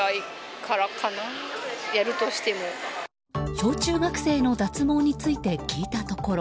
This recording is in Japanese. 小中学生の脱毛について聞いたところ